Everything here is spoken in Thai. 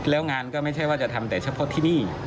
แล้วงานก็ไม่ใช่ว่าจะทำแต่เฉพาะที่นี่